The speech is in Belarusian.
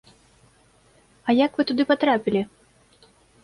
А як вы туды патрапілі?